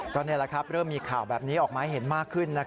ก็นี่แหละครับเริ่มมีข่าวแบบนี้ออกมาให้เห็นมากขึ้น